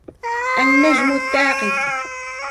النجم الثاقب